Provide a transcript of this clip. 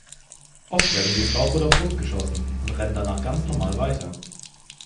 Oft werden sie in Bauch oder Brust geschossen und rennen danach ganz normal weiter.